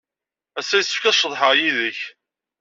Ass-a, yessefk ad ceḍḥeɣ yid-k.